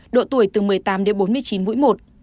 độ tuổi từ một mươi tám đến bốn mươi chín mũi một